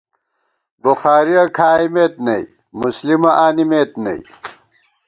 بُخاریہ کھائیمېت نئی، مُسلِمہ آنِمېت نئی